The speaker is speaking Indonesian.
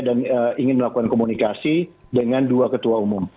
dan ingin melakukan komunikasi dengan dua ketua umum